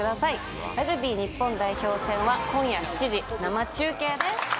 ラグビー日本代表戦は今夜７時生中継です。